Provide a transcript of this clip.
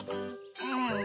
うん。